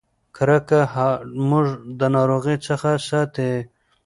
کرکه موږ د ناروغۍ څخه ساتي.